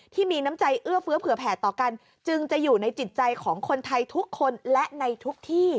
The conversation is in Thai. ที่มีน้ำใจเอื้อเฟื้อเผื่อแผ่ต่อกันจึงจะอยู่ในจิตใจของคนไทยทุกคนและในทุกที่